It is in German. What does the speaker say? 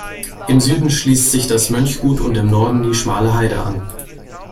Im Süden schließt sich das Mönchgut und im Norden die Schmale Heide an.